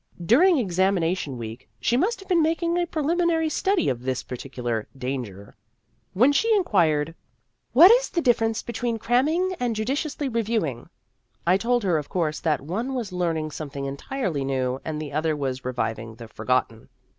During examination week, she must have been making a preliminary study of this particular " Danger." When she in quired, " What is the difference between cramming and judiciously reviewing?" I told her, of course, that one was learning something entirely new, and the other Danger ! 253 was reviving the forgotten.